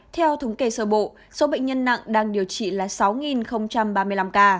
hai theo thống kể sơ bộ số bệnh nhân nặng đang điều trị là sáu ba mươi năm ca